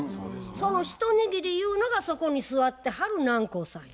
その一握りゆうのがそこに座ってはる南光さんや。